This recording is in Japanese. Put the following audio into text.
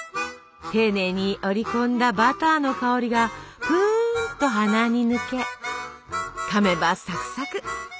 丁寧に折り込んだバターの香りがぷんと鼻に抜けかめばサクサク。